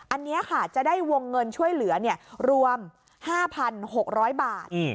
อันนี้ค่ะจะได้วงเงินช่วยเหลือรวม๕๖๐๐บาท